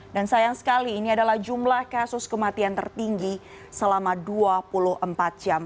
dan sayang sekali ini adalah jumlah kasus kematian tertinggi selama dua puluh empat jam